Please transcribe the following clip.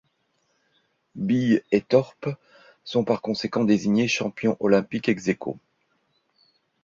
Bie et Thorpe sont par conséquent désignés champions olympiques ex-æquo.